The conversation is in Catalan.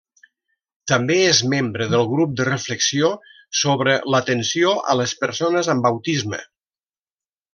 També és membre del grup de reflexió sobre l'atenció a les persones amb autisme.